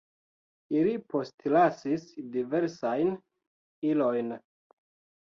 Ili postlasis diversajn ilojn.